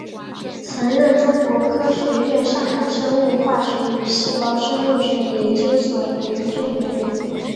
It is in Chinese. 曾任中国科学院上海生物化学与细胞生物学研究所研究员。